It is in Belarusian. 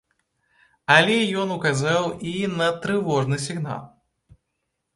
Але ён указаў і на трывожны сігнал.